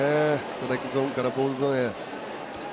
ストライクゾーンからボールゾーンへ。